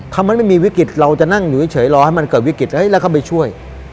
ถ้ามันไม่มีวิกฤตเราจะนั่งอยู่เฉยรอให้มันเกิดวิกฤตแล้วก็ไปช่วย